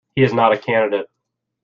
He is not a candidate.